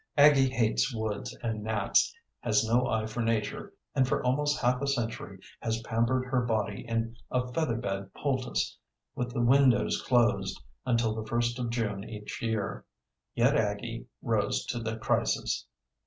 Aggie hates woods and gnats, has no eye for Nature, and for almost half a century has pampered her body in a featherbed poultice, with the windows closed, until the first of June each year. Yet Aggie rose to the crisis.